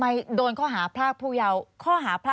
ควิทยาลัยเชียร์สวัสดีครับ